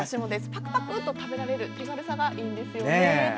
パクパク食べられる手軽さがいいんですよね。